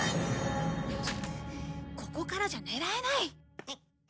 ここからじゃ狙えない。